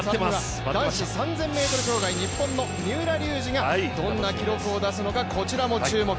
男子３０００ｍ障害、日本の三浦龍司がどんな記録を出すのか、こちらも注目。